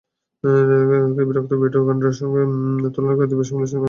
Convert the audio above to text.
বিরক্ত ব্রিট্টো কানাডার সঙ্গে তুলনা করে তীব্র সমালোচনা করেন ব্রাজিলের আইনশৃঙ্খলা পরিস্থিতির।